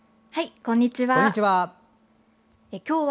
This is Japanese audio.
こんにちは。